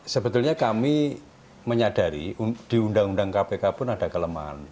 sebetulnya kami menyadari di undang undang kpk pun ada kelemahan